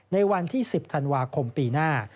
ในวันที่๑๐ธันวาคมปีหน้า